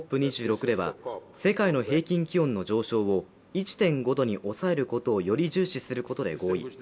２６では世界の平均気温の上昇を１．５度に抑えることをより重視することで合意